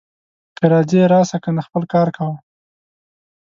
که راځې راسه، کنې خپل کار کوه